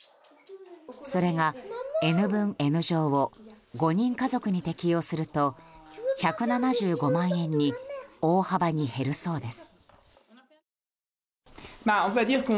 それがＮ分Ｎ乗を５人家族に適用すると１７５万円に大幅に減るそうです。